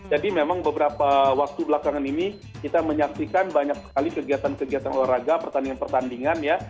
memang beberapa waktu belakangan ini kita menyaksikan banyak sekali kegiatan kegiatan olahraga pertandingan pertandingan ya